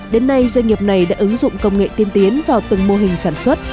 đến nay doanh nghiệp này đã ứng dụng công nghệ tiên tiến vào từng mô hình sản xuất